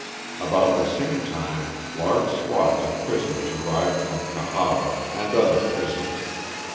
About the same time large squads of prisoners arrived from Cahaba and other prisons.